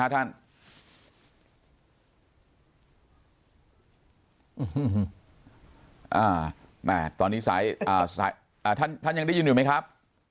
ถ้าท่านยังได้ยินอยู่ไหมครับ